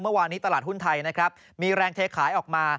เมื่อวานนี้ตลาดหุ้นไทยนะครับมีแรงเทขายออกมา